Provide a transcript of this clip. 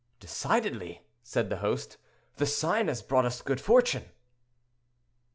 "Decidedly," said the host, "the sign has brought us good fortune."